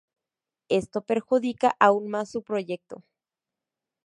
Esto perjudica aún más su apoyo.